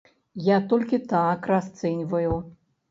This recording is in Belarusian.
Я толькі так расцэньваю.